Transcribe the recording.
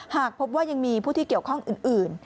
หากพบว่ายังมีผู้ที่เกี่ยวข้องอื่น